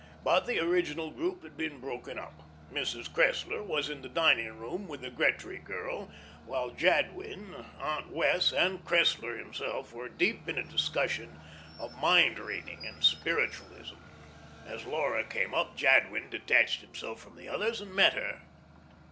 But the original group had been broken up. Mrs. Cressler was in the dining room with the Gretry girl, while Jadwin, Aunt Wess', and Cressler himself were deep in a discussion of mind reading and spiritualism. As Laura came up, Jadwin detached himself from the others and met her.